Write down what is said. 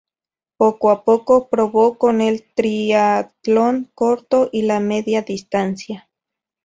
Poco a poco, probó con el triatlón corto y la media distancia.